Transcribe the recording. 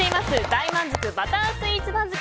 大満足バタースイーツ番付。